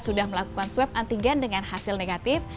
sudah melakukan swab antigen dengan hasil negatif